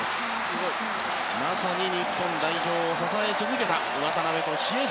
まさに日本代表を支え続けた渡邊と比江島。